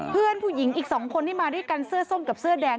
เพื่อนผู้หญิงอีก๒คนที่มาด้วยกันเสื้อส้มกับเสื้อแดง